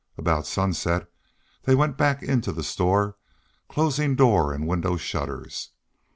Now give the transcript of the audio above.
About sunset they went back into the store, closing door and window shutters.